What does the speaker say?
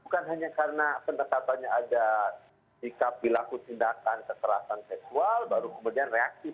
bukan hanya karena penetapannya ada sikap pilaku tindakan kekerasan seksual baru kemudian reaktif